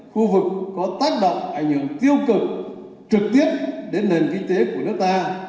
khu vực có tác động ảnh hưởng tiêu cực trực tiếp đến nền kinh tế của nước ta